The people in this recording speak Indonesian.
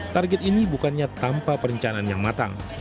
target ini bukannya tanpa perencanaan yang matang